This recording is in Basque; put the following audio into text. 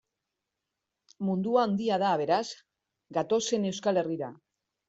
Mundua handia da, beraz, gatozen Euskal Herrira.